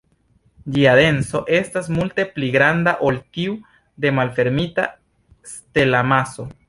Ĝia denso estas multe pli granda ol tiu de malfermita stelamaso.